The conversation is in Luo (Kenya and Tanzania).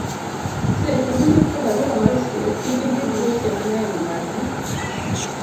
seche mindiko barua mar osiep kik indik weche mang'eny magi